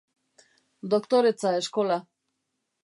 Doktoretza Eskola